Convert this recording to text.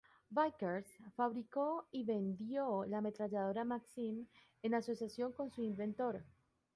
Vickers fabricó y vendió la ametralladora Maxim en asociación con su inventor.